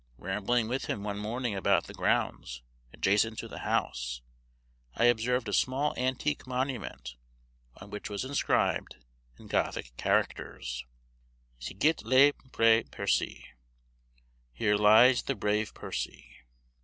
Rambling with him one morning about the grounds adjacent to the house, I observed a small antique monument, on which was inscribed, in Gothic characters "Cy git le preux Percy." (Here lies the brave Percy.)